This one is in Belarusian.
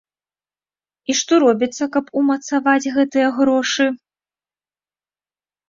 І што робіцца, каб умацаваць гэтыя грошы?